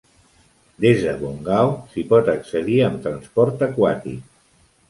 Des de Bongao s'hi pot accedir amb transport aquàtic.